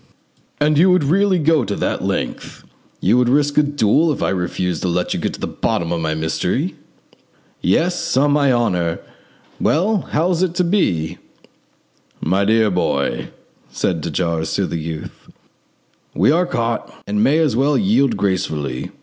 "And you would really go that length? You would risk a duel if I refused to let you get to the bottom of my mystery?" "Yes, on my honour! Well, how is it to be?" "My dear boy," said de Jars to the youth, "we are caught, and may as well yield gracefully.